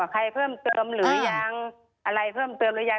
ใครเพิ่มเติมหรือยังอะไรเพิ่มเติมหรือยัง